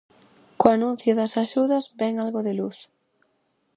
Co anuncio das axudas ven algo de luz.